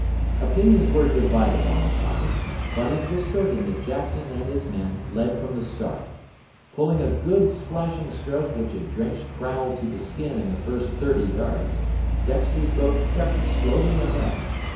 Opinions were divided on the topic. But it was certain that Jackson and his men led from the start. Pulling a good, splashing stroke which had drenched Crowle to the skin in the first thirty yards, Dexter's boat crept slowly ahead.